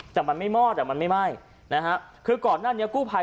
แต่มันไม่มอดอ่ะมันไม่ไหม้นะฮะคือก่อนหน้านี้กู้ภัย